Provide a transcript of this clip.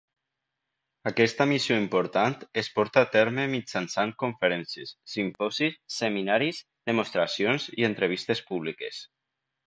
Aquesta missió important es porta a terme mitjançant conferències, simposis, seminaris, demostracions i entrevistes públiques.